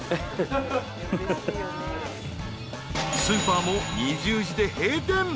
［スーパーも２０時で閉店。